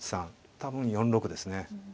多分４六ですね。